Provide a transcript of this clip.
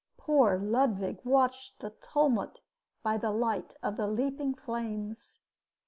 Poor Ludwig watched the tumult by the light of the leaping flames.